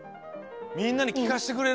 みんなにきかせてくれる？